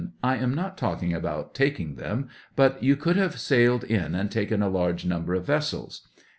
I am not talking about taking them, but you could have sailed in and taken a large number of vessels?